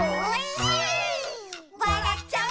「わらっちゃう」